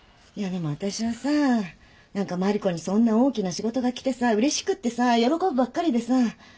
でも私はさ何か万理子にそんな大きな仕事が来てさうれしくってさ喜ぶばっかりでさ。